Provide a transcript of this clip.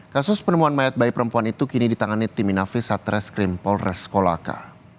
kasus penemuan mayat bayi perempuan itu kini ditangani tim inafis satreskrim polres kolaka